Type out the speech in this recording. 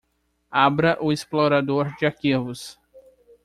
Abra o explorador de arquivos.